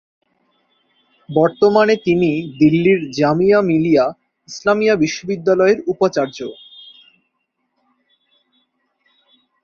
বর্তমানে তিনি দিল্লির জামিয়া মিলিয়া ইসলামিয়া বিশ্ববিদ্যালয়ের উপাচার্য।